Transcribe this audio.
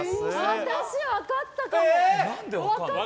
私、分かったかも！